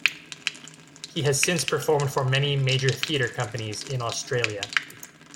He has since performed for many major theatre companies in Australia.